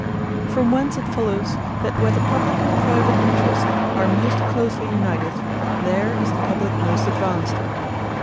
From whence it follows, that where the publique and private interest are most closely united, there is the publique most advanced.